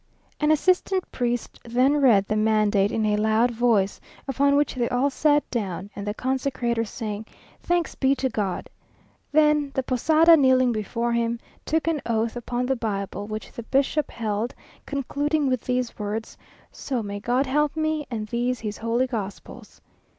An assistant priest then read the mandate in a loud voice; upon which they all sat down, and the consecrator saying, "Thanks be to God!" Then the Posada kneeling before him, took an oath, upon the Bible, which the bishop held, concluding with these words "So may God help me, and these his holy gospels."